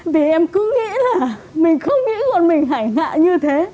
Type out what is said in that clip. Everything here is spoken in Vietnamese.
vì em cứ nghĩ là mình không nghĩ con mình hải ngạ như thế